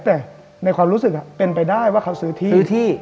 แต่ในความรู้สึกเป็นไปได้ว่าเขาซื้อที่ซื้อที่